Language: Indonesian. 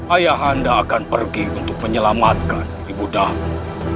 ayah anda akan pergi untuk menyelamatkan ibu dahmu